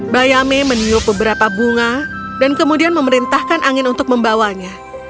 bayame meniup beberapa bunga dan kemudian memerintahkan angin untuk membawanya